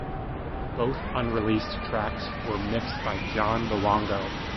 Both unreleased tracks were mixed by John Luongo.